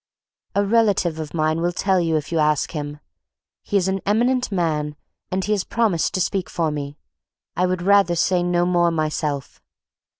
"A relative of mine will tell you if you ask him. He is an eminent man, and he has promised to speak for me. I would rather say no more myself."